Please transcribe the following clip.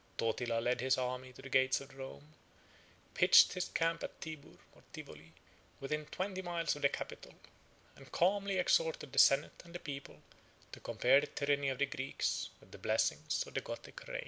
Totila led his army to the gates of Rome, pitched his camp at Tibur, or Tivoli, within twenty miles of the capital, and calmly exhorted the senate and people to compare the tyranny of the Greeks with the blessings of the Gothic reign.